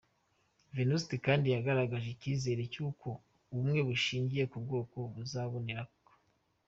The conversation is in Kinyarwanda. Venuste kandi yagaragaje icyizere cy’uko ubumwe bushingiye ku bwoko buzaboneka.